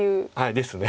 ですね。